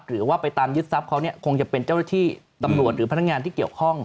หรือว่าไปตามยึดทรัพย์เขาเนี่ยคงจะเป็นเจ้าหน้าที่ตำรวจหรือพนักงานที่เกี่ยวข้อง